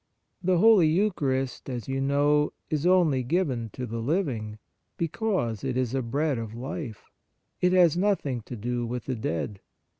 The Holy Eucharist, as you know, is only given to the living, because it is a Bread of Life ; it has nothing to do with the dead.